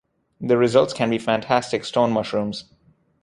The results can be fantastic stone mushrooms.